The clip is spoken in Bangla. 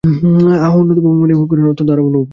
অন্নদাবাবু মনে মনে অত্যন্ত আরাম অনুভব করিলেন।